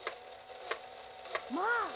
まあ！